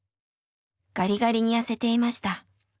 ガリガリに痩せていました。